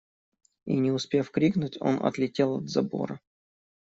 И, не успев крикнуть, он отлетел от забора.